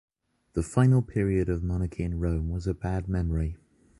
The final period of the monarchy in Rome was a bad memory.